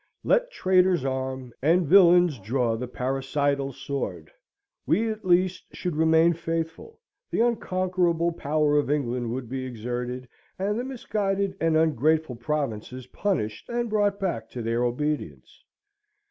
Let traitors arm, and villains draw the parricidal sword! We at least would remain faithful; the unconquerable power of England would be exerted, and the misguided and ungrateful provinces punished and brought back to their obedience.